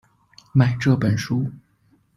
买这本书